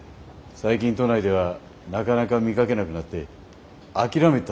最近都内ではなかなか見かけなくなって諦めてたんですよ。